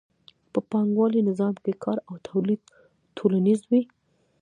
په پانګوالي نظام کې کار او تولید ټولنیز وي